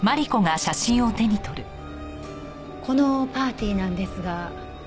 このパーティーなんですが。